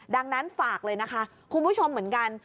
ดังนั้นฝากเลยนะคะคุณผู้ชมเหมือนกัน